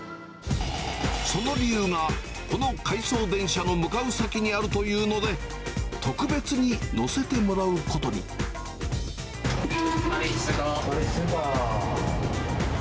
その理由が、この回送電車の向かう先にあるというので、特別に乗せてもらうこマルイチ通過。